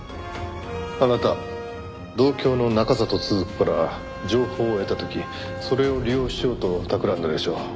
あなた同郷の中郷都々子から情報を得た時それを利用しようとたくらんだでしょう？